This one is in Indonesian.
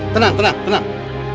tenang tenang tenang